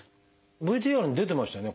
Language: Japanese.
ＶＴＲに出てましたよね